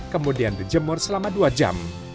kemudian dijemur selama dua jam